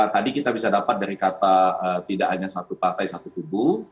tadi kita bisa dapat dari kata tidak hanya satu partai satu kubu